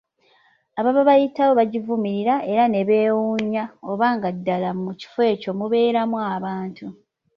Ababa bayitawo bagivumirira, era ne bewuunya, oba nga ddala mu kifo ekyo mubeeramu abantu.